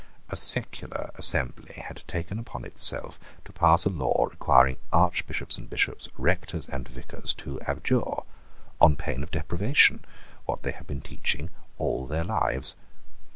A secular assembly had taken upon itself to pass a law requiring archbishops and bishops, rectors and vicars, to abjure; on pain of deprivation, what they had been teaching all their lives.